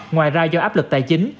ngoài ra do áp lực tài chính